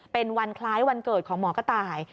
เป็นวันคล้ายวันเกิดของหมอกระต่าย